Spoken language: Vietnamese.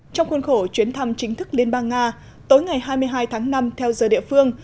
trong khuôn khổ chuyến thăm chính thức liên bang nga tối ngày hai mươi hai tháng năm theo giờ địa phương